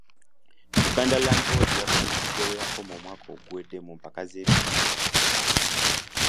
Buganda Land Board yatandikidde we yakoma omwaka oguwedde mu mpaka z'ebitongole.